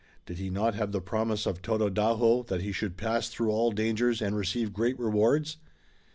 Did he not have the promise of Tododaho that he should pass through all dangers and receive great rewards?